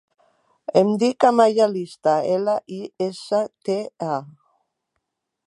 Em dic Amaia Lista: ela, i, essa, te, a.